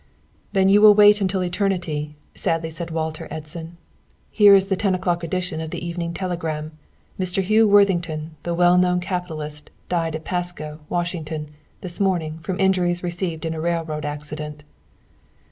"Then you will wait until eternity," sadly said Walter Edson. "Here is the ten o'clock edition of the Evening Telegram. Mr. Hugh Worthington, the well known capitalist, died at Pasco, Washington, this morning, from injuries received in a railroad accident."